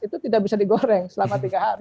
itu tidak bisa digoreng selama tiga hari